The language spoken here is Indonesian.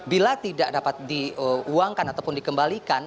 bila tidak dapat diuangkan ataupun dikembalikan